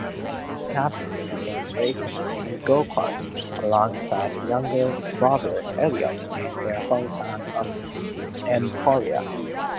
Sadler began racing in go-karts alongside younger brother Elliott in their hometown of Emporia.